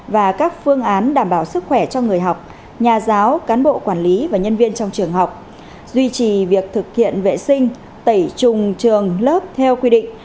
và các phương án đảm bảo sức khỏe cho người học nhà giáo cán bộ quản lý và nhân viên trong trường học duy trì việc thực hiện vệ sinh tẩy trùng trường lớp theo quy định